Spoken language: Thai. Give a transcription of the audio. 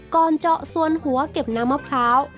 เจาะส่วนหัวเก็บน้ำมะพร้าว